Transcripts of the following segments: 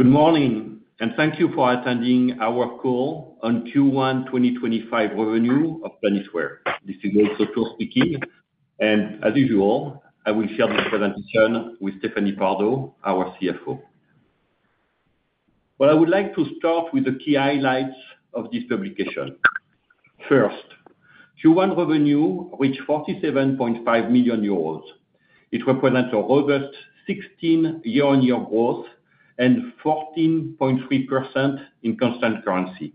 Good morning, and thank you for attending our call on Q1 2025 revenue of Planisware. This is Loïc Sautour speaking, and as usual, I will share this presentation with Stéphanie Pardo, our CFO. I would like to start with the key highlights of this publication. First, Q1 revenue reached 47.5 million euros. It represents a robust 16% year-on-year growth and 14.3% in constant currency.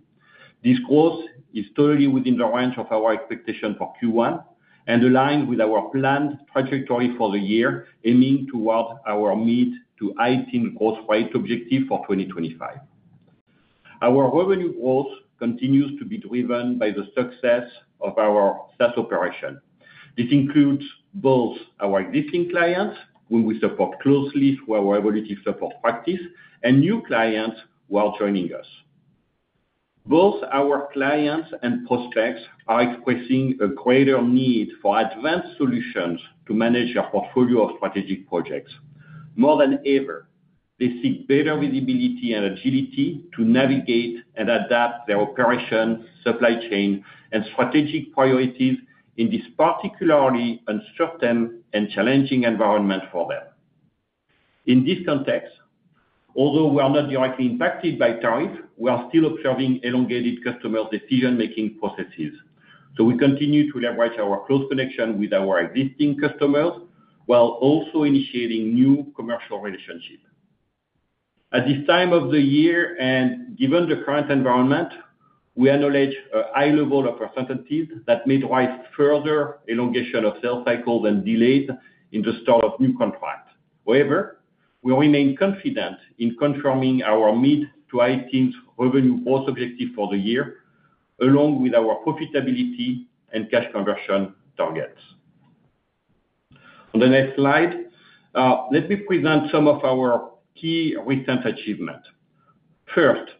This growth is totally within the range of our expectation for Q1 and aligns with our planned trajectory for the year, aiming toward our mid to high-teens growth rate objective for 2025. Our revenue growth continues to be driven by the success of our SaaS operation. This includes both our existing clients, whom we support closely through our evolutive support practice, and new clients who are joining us. Both our clients and prospects are expressing a greater need for advanced solutions to manage their portfolio of strategic projects. More than ever, they seek better visibility and agility to navigate and adapt their operations, supply chain, and strategic priorities in this particularly uncertain and challenging environment for them. In this context, although we are not directly impacted by tariffs, we are still observing elongated customers' decision-making processes. We continue to leverage our close connection with our existing customers while also initiating new commercial relationships. At this time of the year, and given the current environment, we acknowledge a high level of uncertainties that may drive further elongation of sales cycles and delays in the start of new contracts. However, we remain confident in confirming our mid to high-teens revenue growth objective for the year, along with our profitability and cash conversion targets. On the next slide, let me present some of our key recent achievements. First,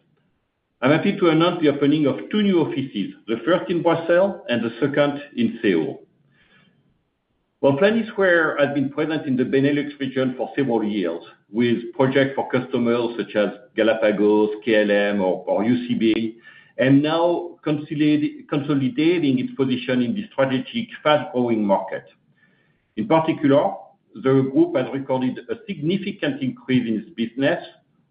I'm happy to announce the opening of two new offices, the first in Brussels and the second in Seoul. Planisware has been present in the Benelux region for several years, with projects for customers such as Galapagos, KLM, or UCB, and now consolidating its position in the strategic fast-growing market. In particular, the group has recorded a significant increase in its business,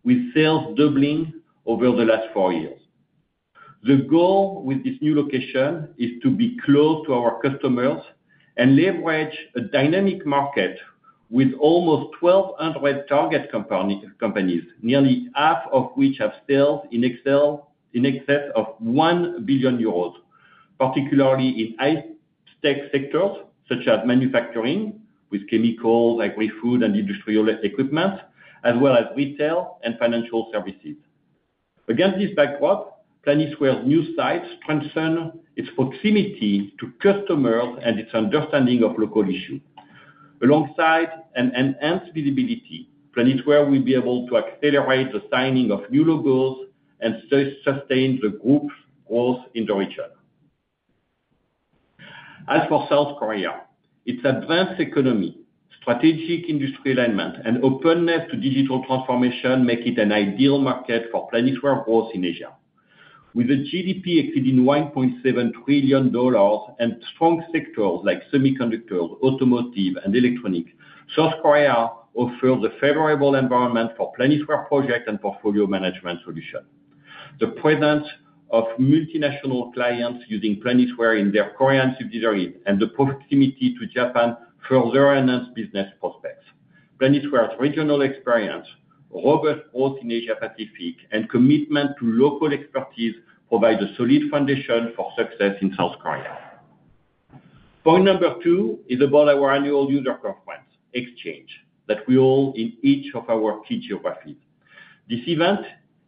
with sales doubling over the last four years. The goal with this new location is to be close to our customers and leverage a dynamic market with almost 1,200 target companies, nearly half of which have sales in excess of 1 billion euros, particularly in high-tech sectors such as manufacturing, with chemicals, agri-food, and industrial equipment, as well as retail and financial services. Against this backdrop, Planisware's new sites transcend its proximity to customers and its understanding of local issues. Alongside enhanced visibility, Planisware will be able to accelerate the signing of new logos and sustain the group's growth in the region. As for South Korea, its advanced economy, strategic industry alignment, and openness to digital transformation make it an ideal market for Planisware growth in Asia. With a GDP exceeding $1.7 trillion and strong sectors like semiconductors, automotive, and electronics, South Korea offers a favorable environment for Planisware projects and portfolio management solutions. The presence of multinational clients using Planisware in their Korean subsidiaries and the proximity to Japan further enhance business prospects. Planisware's regional experience, robust growth in Asia-Pacific, and commitment to local expertise provide a solid foundation for success in South Korea. Point number two is about our annual user conference, Exchange, that we hold in each of our key geographies. This event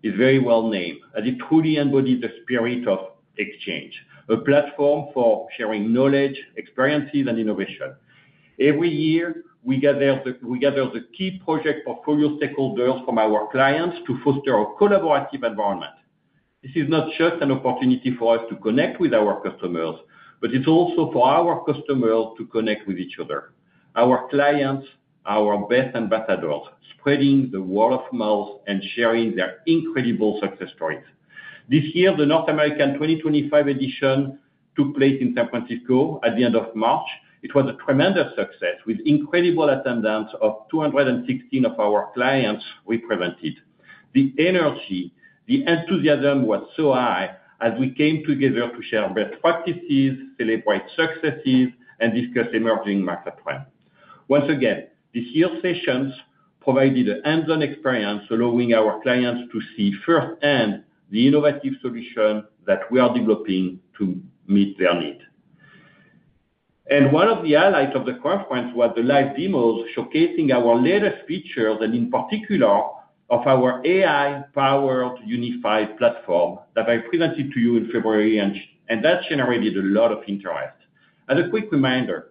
is very well-named as it truly embodies the spirit of Exchange, a platform for sharing knowledge, experiences, and innovation. Every year, we gather the key project portfolio stakeholders from our clients to foster a collaborative environment. This is not just an opportunity for us to connect with our customers, but it's also for our customers to connect with each other. Our clients, our best ambassadors, spreading the word of mouth and sharing their incredible success stories. This year, the North American 2025 edition took place in San Francisco at the end of March. It was a tremendous success, with incredible attendance of 216 of our clients we presented. The energy, the enthusiasm was so high as we came together to share best practices, celebrate successes, and discuss emerging market trends. Once again, this year's sessions provided a hands-on experience allowing our clients to see firsthand the innovative solutions that we are developing to meet their needs. One of the highlights of the conference was the live demos showcasing our latest features, and in particular, of our AI-powered unified platform that I presented to you in February, and that generated a lot of interest. As a quick reminder,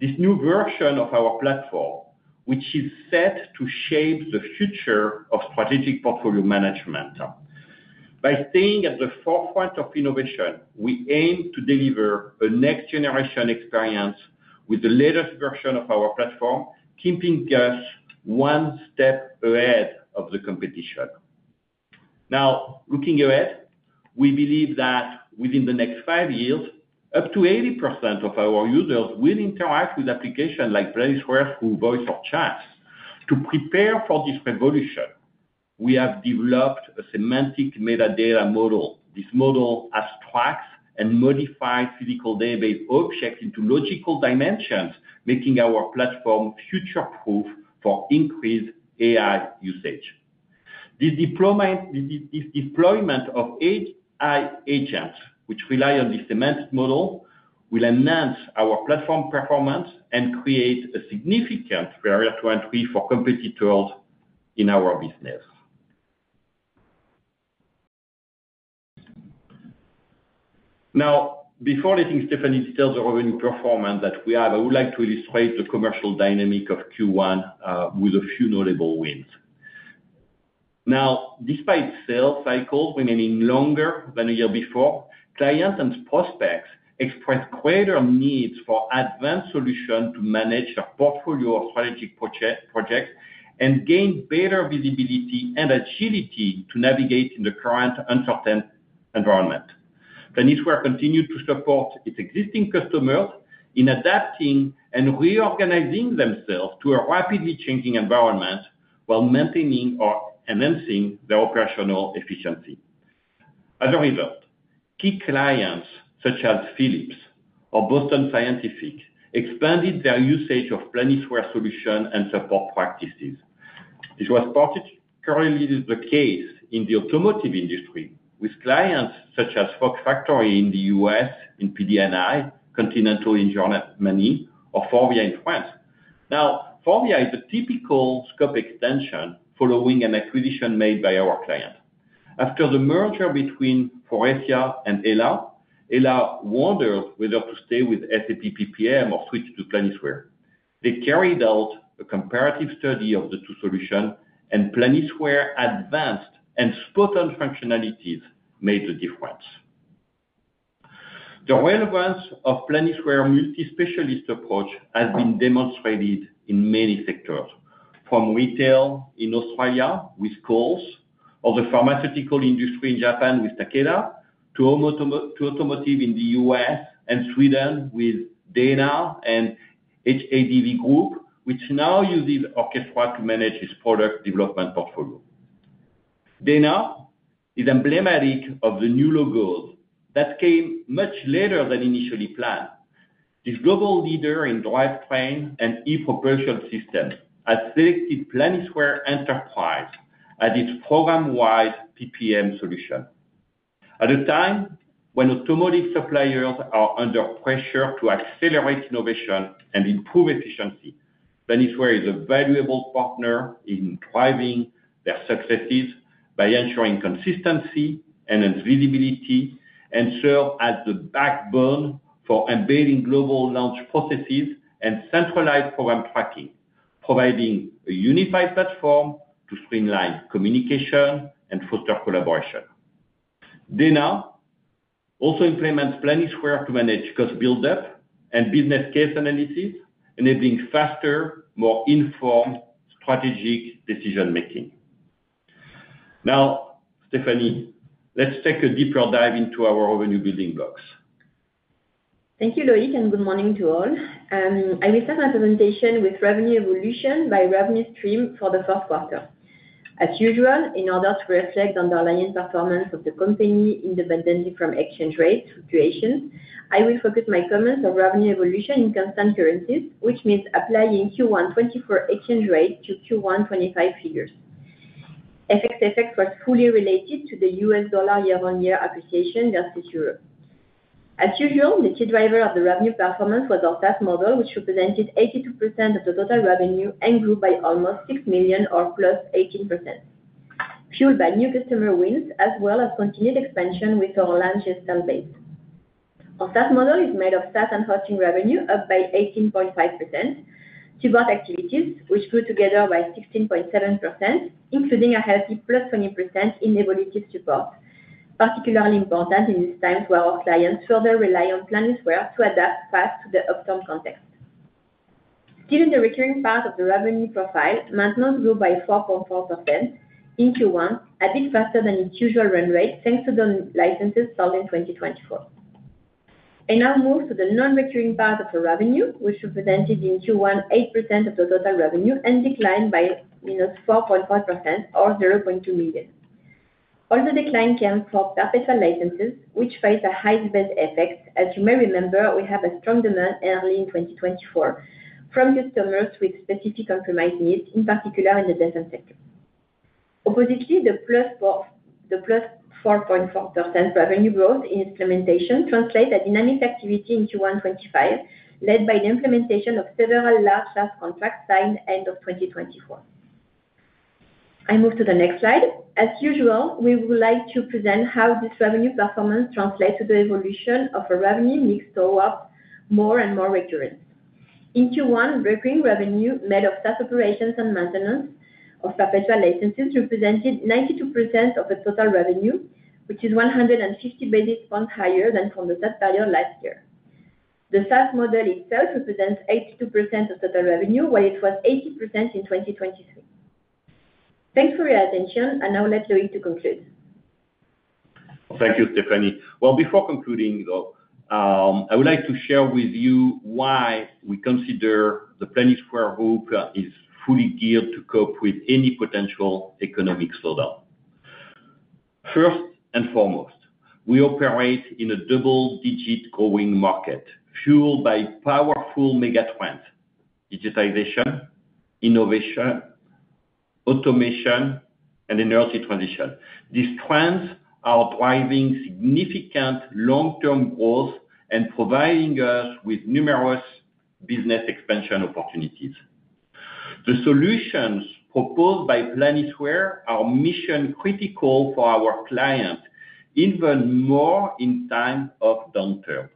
this new version of our platform, which is set to shape the future of strategic portfolio management. By staying at the forefront of innovation, we aim to deliver a next-generation experience with the latest version of our platform, keeping us one step ahead of the competition. Now, looking ahead, we believe that within the next five years, up to 80% of our users will interact with applications like Planisware through voice or chat. To prepare for this revolution, we have developed a semantic metadata model. This model abstracts and modifies physical database objects into logical dimensions, making our platform future-proof for increased AI usage. This deployment of AI agents, which rely on this semantic model, will enhance our platform performance and create a significant barrier to entry for competitors in our business. Now, before letting Stéphanie tell the revenue performance that we have, I would like to illustrate the commercial dynamic of Q1 with a few notable wins. Now, despite sales cycles remaining longer than a year before, clients and prospects express greater needs for advanced solutions to manage their portfolio of strategic projects and gain better visibility and agility to navigate in the current uncertain environment. Planisware continues to support its existing customers in adapting and reorganizing themselves to a rapidly changing environment while maintaining or enhancing their operational efficiency. As a result, key clients such as Philips or Boston Scientific expanded their usage of Planisware solutions and support practices. This was particularly the case in the automotive industry, with clients such as Fox Factory in the U.S. in PD&I, Continental in Germany, or Forvia in France. Now, Forvia is a typical scope extension following an acquisition made by our client. After the merger between Faurecia and Hella, Hella wondered whether to stay with SAP PPM or switch to Planisware. They carried out a comparative study of the two solutions, and Planisware's advanced and spot-on functionalities made the difference. The relevance of Planisware's multi-specialist approach has been demonstrated in many sectors, from retail in Australia with Coles, or the pharmaceutical industry in Japan with Takeda, to automotive in the U.S. and Sweden with Dana and HADV Group, which now uses Orchestra to manage its product development portfolio. Dana is emblematic of the new logo that came much later than initially planned. This global leader in drivetrain and e-propulsion systems has selected Planisware Enterprise as its program-wide PPM solution. At a time when automotive suppliers are under pressure to accelerate innovation and improve efficiency, Planisware is a valuable partner in driving their successes by ensuring consistency and visibility and serves as the backbone for embedding global launch processes and centralized program tracking, providing a unified platform to streamline communication and foster collaboration. Dana also implements Planisware to manage cost build-up and business case analysis, enabling faster, more informed strategic decision-making. Now, Stéphanie, let's take a deeper dive into our revenue-building blocks. Thank you, Loïc, and good morning to all. I will start my presentation with revenue evolution by revenue stream for the fourth quarter. As usual, in order to reflect the underlying performance of the company independently from exchange rate fluctuations, I will focus my comments on revenue evolution in constant currencies, which means applying Q1 2024 exchange rate to Q1 2025 figures. FX effect was fully related to the U.S. dollar year-on-year appreciation versus Europe. As usual, the key driver of the revenue performance was our SaaS model, which represented 82% of the total revenue and grew by almost 6 million or plus 18%, fueled by new customer wins as well as continued expansion with our large install base. Our SaaS model is made of SaaS and hosting revenue up by 18.5%, support activities, which grew together by 16.7%, including a healthy plus 20% in evolutive support, particularly important in these times where our clients further rely on Planisware to adapt fast to the upcoming context. Still in the recurring part of the revenue profile, maintenance grew by 4.4% in Q1, a bit faster than its usual run rate thanks to the licenses sold in 2024. I now move to the non-recurring part of the revenue, which represented in Q1 8% of the total revenue and declined by -4.5% or 0.2 million. All the decline came for perpetual licenses, which faced a high base effect. As you may remember, we had a strong demand early in 2024 from customers with specific compromise needs, in particular in the defense sector. Oppositely, the plus 4.4% revenue growth in implementation translates to dynamic activity in Q1 2025, led by the implementation of several large SaaS contracts signed end of 2024. I move to the next slide. As usual, we would like to present how this revenue performance translates to the evolution of revenue mix over more and more recurrence. In Q1, recurring revenue made of SaaS operations and maintenance of perpetual licenses represented 92% of the total revenue, which is 150 basis points higher than from the SaaS value last year. The SaaS model itself represents 82% of total revenue, while it was 80% in 2023. Thanks for your attention, and I'll let Loïc to conclude. Thank you, Stéphanie. Before concluding, though, I would like to share with you why we consider that Planisware Group is fully geared to cope with any potential economic slowdown. First and foremost, we operate in a double-digit growing market fueled by powerful megatrends: digitization, innovation, automation, and energy transition. These trends are driving significant long-term growth and providing us with numerous business expansion opportunities. The solutions proposed by Planisware are mission-critical for our clients even more in times of downturn.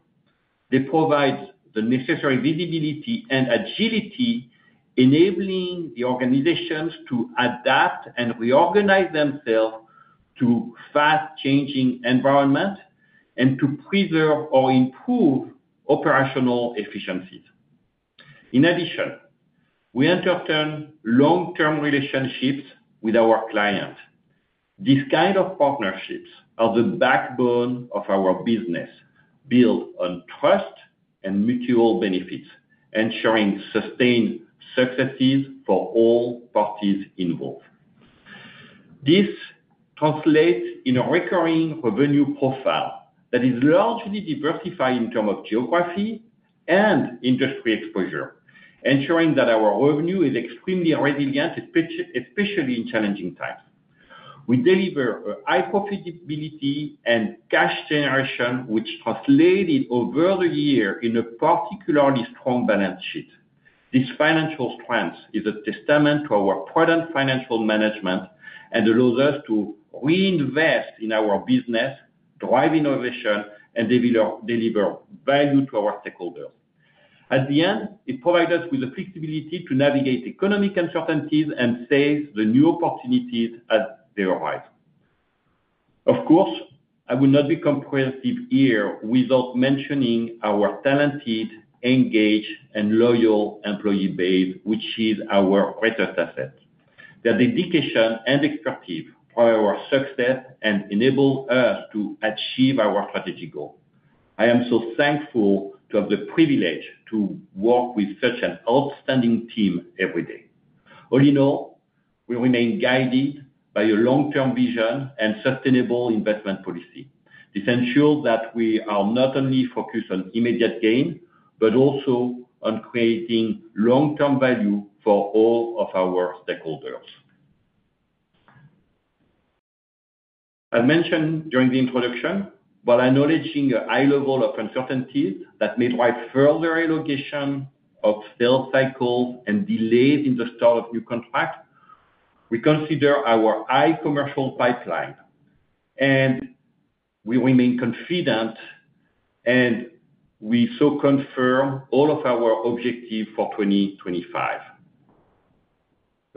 They provide the necessary visibility and agility, enabling the organizations to adapt and reorganize themselves to fast-changing environments and to preserve or improve operational efficiencies. In addition, we entertain long-term relationships with our clients. These kinds of partnerships are the backbone of our business, built on trust and mutual benefits, ensuring sustained successes for all parties involved. This translates in a recurring revenue profile that is largely diversified in terms of geography and industry exposure, ensuring that our revenue is extremely resilient, especially in challenging times. We deliver a high profitability and cash generation, which translated over the year in a particularly strong balance sheet. This financial strength is a testament to our prudent financial management and allows us to reinvest in our business, drive innovation, and deliver value to our stakeholders. At the end, it provides us with the flexibility to navigate economic uncertainties and face the new opportunities as they arise. Of course, I will not be comprehensive here without mentioning our talented, engaged, and loyal employee base, which is our greatest asset. Their dedication and expertise drive our success and enable us to achieve our strategic goals. I am so thankful to have the privilege to work with such an outstanding team every day. All in all, we remain guided by a long-term vision and sustainable investment policy. This ensures that we are not only focused on immediate gain but also on creating long-term value for all of our stakeholders. As mentioned during the introduction, while acknowledging a high level of uncertainties that may drive further elongation of sales cycles and delays in the start of new contracts, we consider our high commercial pipeline, and we remain confident, and we so confirm all of our objectives for 2025: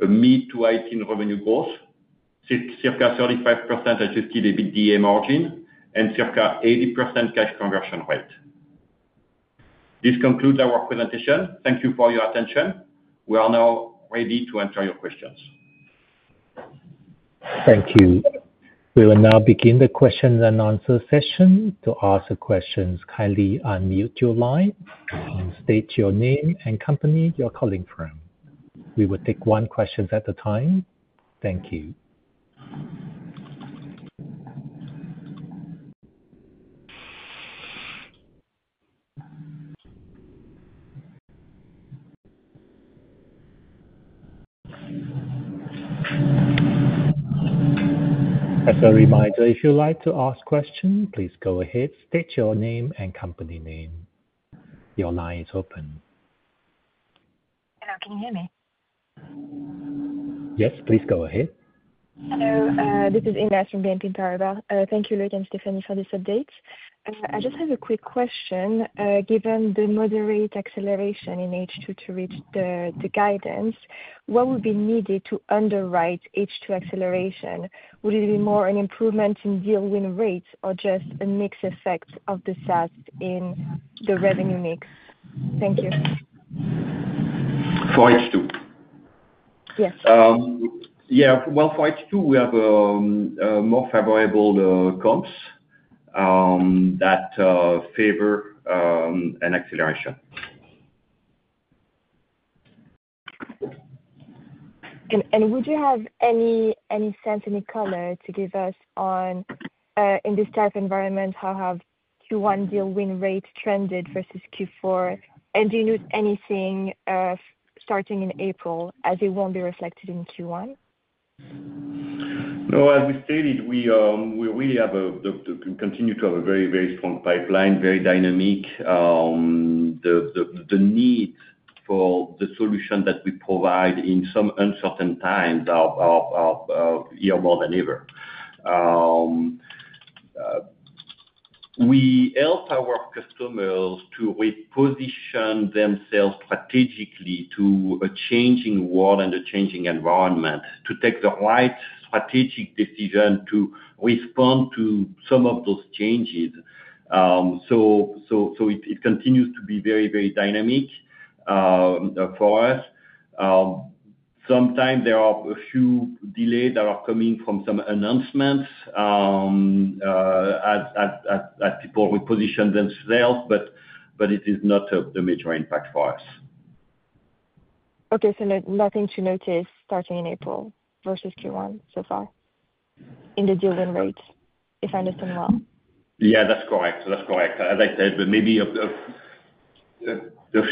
a mid to high-teens revenue growth, circa 35% adjusted EBITDA margin, and circa 80% cash conversion rate. This concludes our presentation. Thank you for your attention. We are now ready to answer your questions. Thank you. We will now begin the question and answer session. To ask the questions, kindly unmute your line and state your name and company you are calling from. We will take one question at a time. Thank you. As a reminder, if you would like to ask a question, please go ahead. State your name and company name. Your line is open. Hello. Can you hear me? Yes, please go ahead. Hello. This is Ines from BNP Paribas. Thank you, Loïc and Stéphanie, for this update. I just have a quick question. Given the moderate acceleration in H2 to reach the guidance, what would be needed to underwrite H2 acceleration? Would it be more an improvement in deal win rates or just a mixed effect of the SaaS in the revenue mix? Thank you. For H2? Yes. Yeah. For H2, we have more favorable comps that favor an acceleration. Do you have any sense, any color to give us on, in this type of environment, how have Q1 deal win rates trended versus Q4? Do you know anything starting in April as it will not be reflected in Q1? No. As we stated, we really continue to have a very, very strong pipeline, very dynamic. The need for the solution that we provide in some uncertain times is here more than ever. We help our customers to reposition themselves strategically to a changing world and a changing environment, to take the right strategic decision to respond to some of those changes. It continues to be very, very dynamic for us. Sometimes there are a few delays that are coming from some announcements as people reposition themselves, but it is not the major impact for us. Okay. So nothing to notice starting in April versus Q1 so far in the deal win rates, if I understand well? Yeah, that's correct. That's correct. As I said, maybe a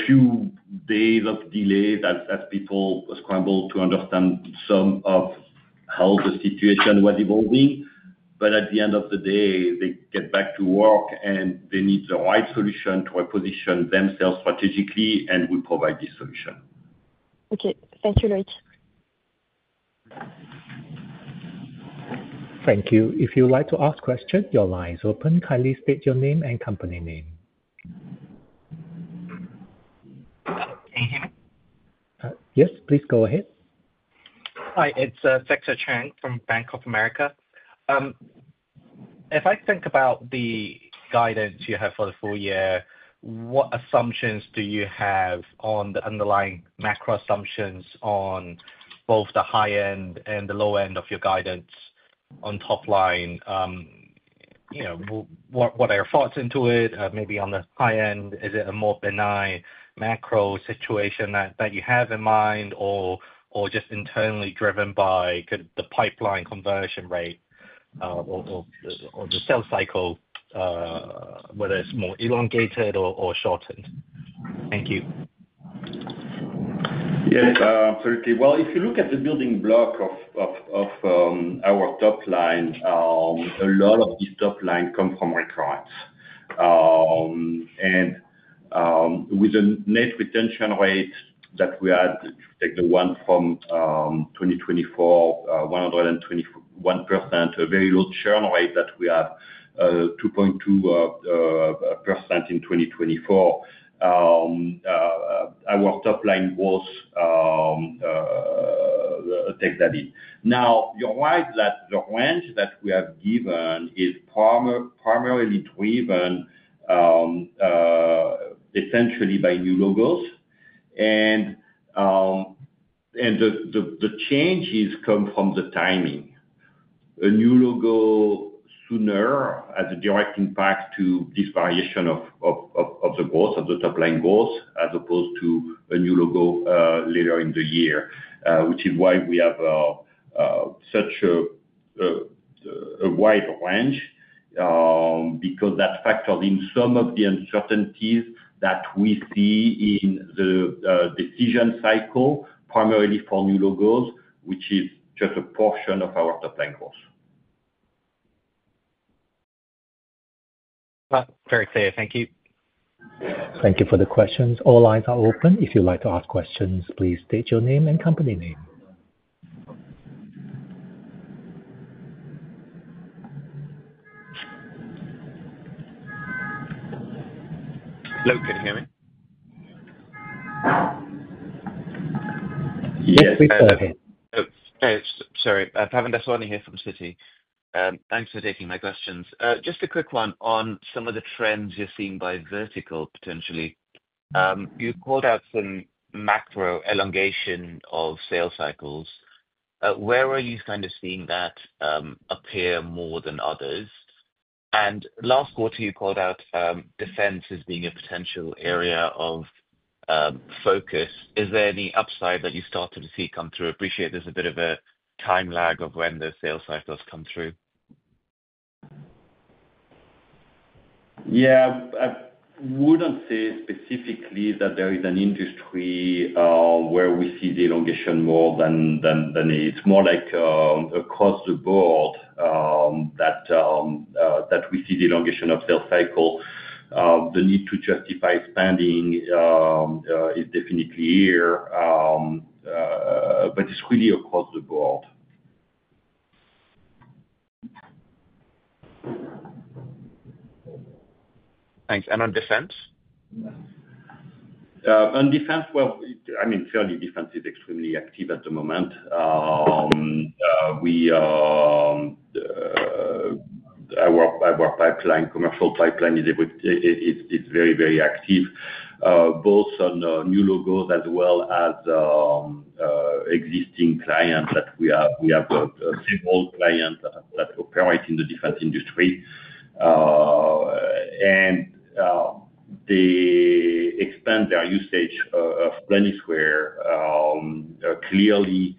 few days of delays as people scramble to understand some of how the situation was evolving. At the end of the day, they get back to work, and they need the right solution to reposition themselves strategically, and we provide this solution. Okay. Thank you, Loïc. Thank you. If you'd like to ask a question, your line is open. Kindly state your name and company name. Can you hear me? Yes, please go ahead. Hi. It's Felix Chang from Bank of America. If I think about the guidance you have for the full year, what assumptions do you have on the underlying macro assumptions on both the high end and the low end of your guidance on top line? What are your thoughts into it? Maybe on the high end, is it a more benign macro situation that you have in mind or just internally driven by the pipeline conversion rate or the sales cycle, whether it's more elongated or shortened? Thank you. Yes, absolutely. If you look at the building block of our top line, a lot of this top line comes from recurrence. With the net retention rate that we had, take the one from 2024, 121%, a very low churn rate that we have, 2.2% in 2024, our top line growth takes that in. Now, you're right that the range that we have given is primarily driven essentially by new logos. The changes come from the timing. A new logo sooner has a direct impact to this variation of the growth of the top line growth as opposed to a new logo later in the year, which is why we have such a wide range because that factors in some of the uncertainties that we see in the decision cycle, primarily for new logos, which is just a portion of our top line growth. Very clear. Thank you. Thank you for the questions. All lines are open. If you'd like to ask questions, please state your name and company name. Loïc, can you hear me? Yes, we're perfect. Sorry. Pardo here from Citi. Thanks for taking my questions. Just a quick one on some of the trends you're seeing by vertical, potentially. You called out some macro elongation of sales cycles. Where are you kind of seeing that appear more than others? Last quarter, you called out defense as being a potential area of focus. Is there any upside that you started to see come through? Appreciate there's a bit of a time lag of when the sales cycles come through. Yeah. I wouldn't say specifically that there is an industry where we see the elongation more than it's more like across the board that we see the elongation of sales cycle. The need to justify spending is definitely here, but it's really across the board. Thanks. On defense? On defense, I mean, clearly, defense is extremely active at the moment. Our commercial pipeline is very, very active, both on new logos as well as existing clients that we have. We have several clients that operate in the defense industry, and they expand their usage of Planisware. Clearly,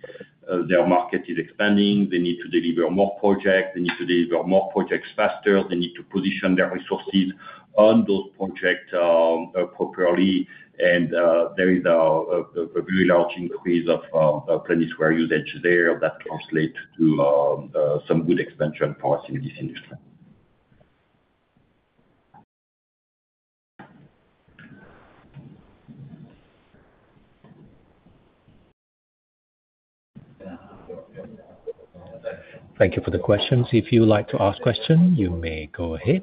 their market is expanding. They need to deliver more projects. They need to deliver more projects faster. They need to position their resources on those projects properly. There is a very large increase of Planisware usage there that translates to some good expansion for us in this industry. Thank you for the questions. If you'd like to ask a question, you may go ahead.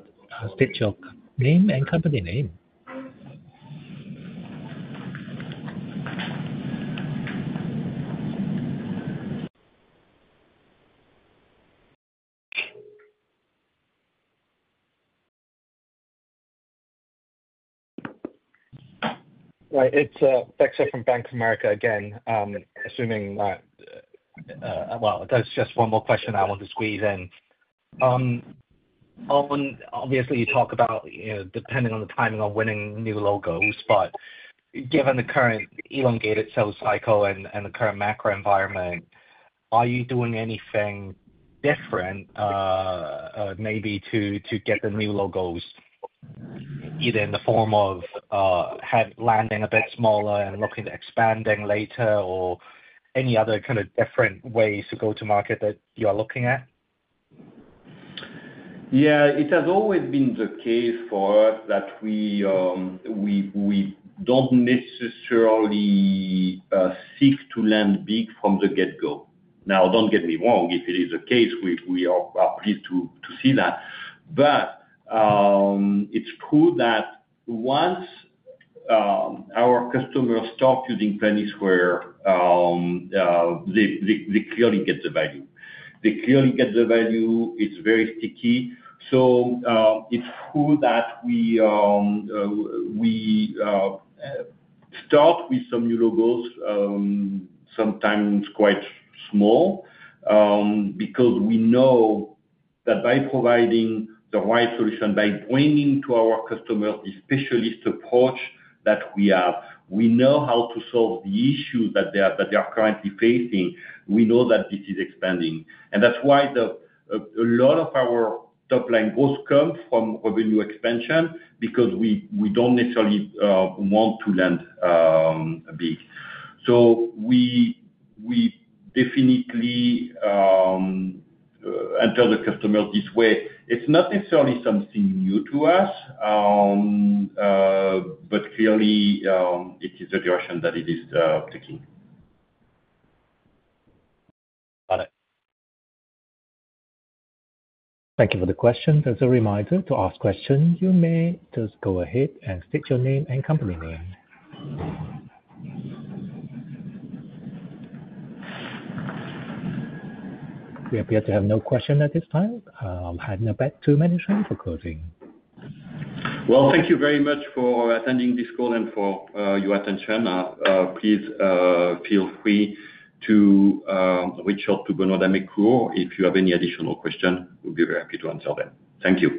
State your name and company name. Right. It's Felix from Bank of America again, assuming that, well, that's just one more question I want to squeeze in. Obviously, you talk about, depending on the timing, on winning new logos, but given the current elongated sales cycle and the current macro environment, are you doing anything different maybe to get the new logos, either in the form of landing a bit smaller and looking at expanding later or any other kind of different ways to go to market that you are looking at? Yeah. It has always been the case for us that we don't necessarily seek to land big from the get-go. Now, don't get me wrong. If it is the case, we are pleased to see that. It is true that once our customers start using Planisware, they clearly get the value. They clearly get the value. It's very sticky. It is true that we start with some new logos, sometimes quite small, because we know that by providing the right solution, by bringing to our customers the specialist approach that we have, we know how to solve the issues that they are currently facing. We know that this is expanding. That is why a lot of our top line growth comes from revenue expansion because we don't necessarily want to land big. We definitely enter the customers this way. It's not necessarily something new to us, but clearly, it is a direction that it is taking. Got it. Thank you for the question. As a reminder, to ask questions, you may just go ahead and state your name and company name. We appear to have no questions at this time. I'll hand it back to Planisware for closing. Thank you very much for attending this call and for your attention. Please feel free to reach out to Bruno Decourt if you have any additional questions. We will be very happy to answer them. Thank you.